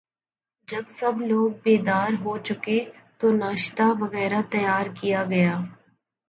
جب سب لوگ بیدار ہو چکے تو ناشتہ وغیرہ تیار کیا گیا